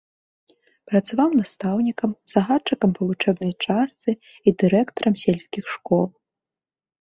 Працаваў настаўнікам, загадчыкам па вучэбнай частцы і дырэктарам сельскіх школ.